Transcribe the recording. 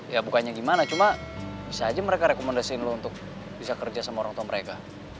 ya bukannya gimana cuma bisa aja mereka rekomendasiin lu untuk bisa kerja sama orang tua mereka